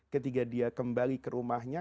ketika dia kembali ke rumahnya